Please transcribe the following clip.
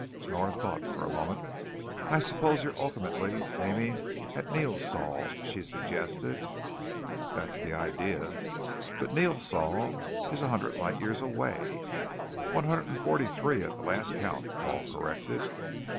Nora thought for a moment. "I suppose you're ultimately aiming at Neosol," she suggested. "That's the idea." "But Neosol is a hundred light years away " "One hundred and forty three at the last count," Paul corrected.